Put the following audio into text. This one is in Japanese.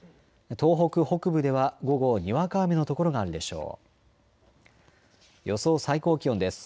東北北部では午後にわか雨の所があるでしょう。